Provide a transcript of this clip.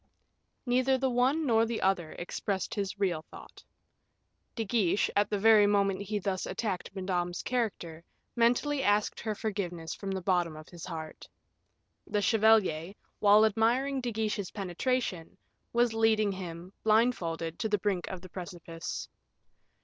Neither the one nor the other expressed his real thought. De Guiche, at the very moment he thus attacked Madame's character, mentally asked her forgiveness from the bottom of his heart. The chevalier, while admiring De Guiche's penetration, was leading him, blindfolded, to the brink of the precipice.